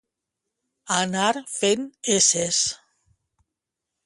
Anar fent esses.